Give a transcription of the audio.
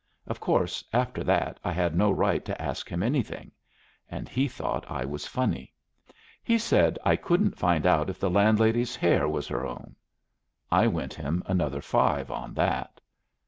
Of course, after that I had no right to ask him anything, and he thought I was funny. He said I couldn't find out if the landlady's hair was her own. I went him another five on that."